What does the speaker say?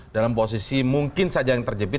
dalam posisi mungkin saja yang terjepit